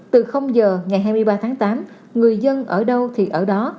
từ giờ ngày hai mươi ba tháng tám người dân ở đâu thì ở đó